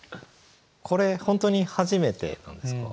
これ本当に初めてなんですか？